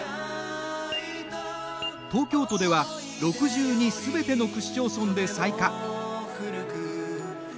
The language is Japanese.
東京都では６２すべての区市町村で採火。